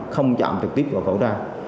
không chạm trực tiếp vào khẩu trang